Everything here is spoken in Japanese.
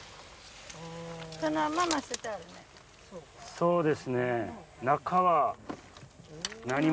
そうですね。